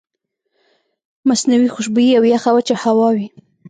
مصنوعي خوشبويئ او يخه وچه هوا وي